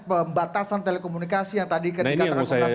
pembatasan telekomunikasi yang tadi ketika transportasi